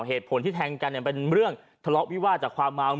เหตุผลที่แทงกันเป็นเรื่องทะเลาะวิวาดจากความเมา